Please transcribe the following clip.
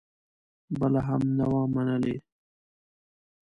بلنه هم نه وه منلې.